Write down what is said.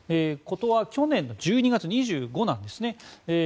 事は去年の１２月２５日ですね。